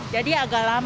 jadi agak luar biasa